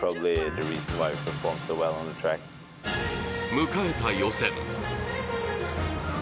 迎えた予選。